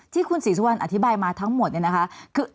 ที่คุณศรีสุวรรณอธิบายมาทั้งหมดเนี่ยนะคะ